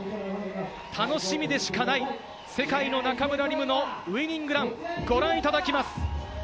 楽しみでしかない世界の中村輪夢のウイニングラン、ご覧いただきます。